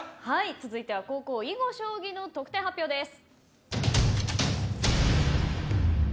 続いて後攻囲碁将棋の得点発表です。